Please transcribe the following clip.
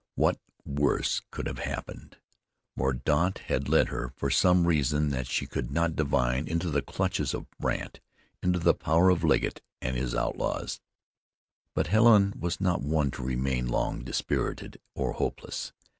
What worse could have happened? Mordaunt had led her, for some reason that she could not divine, into the clutches of Brandt, into the power of Legget and his outlaws. But Helen was not one to remain long dispirited or hopeless.